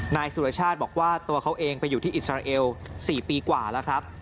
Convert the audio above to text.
นายสุรชาติบอกว่าตัวเขาเองไปอยู่ที่อิสราเอล๔ปีกว่าแล้วครับ